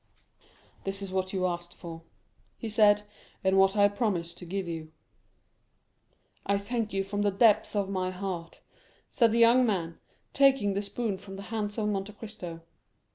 "This is what you asked for," he said, "and what I promised to give you." "I thank you from the depths of my heart," said the young man, taking the spoon from the hands of Monte Cristo.